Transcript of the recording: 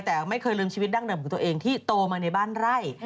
แต่ไม่เคยลืมชีวิตดั้งเดิมของตัวเองที่โตมาในบ้านไร่